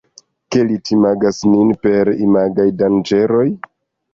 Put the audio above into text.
Ke li timigas nin per imagaj danĝeroj?